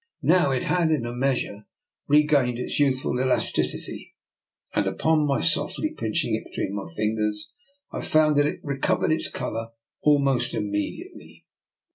Now it had in a measure regained its youthful elasticity, and upon mjy softly pinching it between my fingers I founii that it recovered its colour almost immediately.